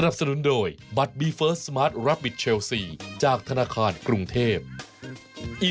โปรดติดตามตอนต่อไป